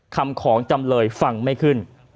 คำของจำเลยฟังไม่ขึ้น